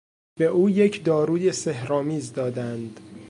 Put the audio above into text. به او یک داروی سحرآمیز دادند.